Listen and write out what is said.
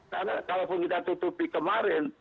karena kalau pun kita tutupi kemarin